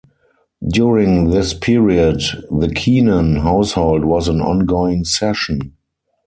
During this period, the Keenan household was an ongoing session.